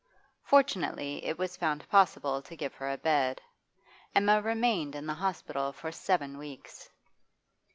Fortunately it was found possible to give her a bed; Emma remained in the hospital for seven weeks.